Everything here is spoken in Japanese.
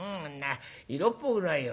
色っぽくないよ。